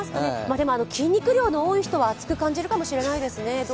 でも筋肉量の多い人は暑く感じるかもしれませんね。